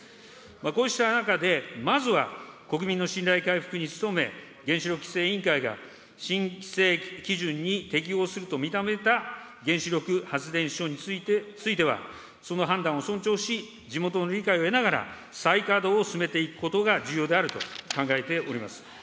こうした中で、まずは国民の信頼回復に努め、原子力規制委員会が新規制基準に適合すると認めた原子力発電所については、その判断を尊重し、地元の理解を得ながら、再稼働を進めていくことが重要であると考えております。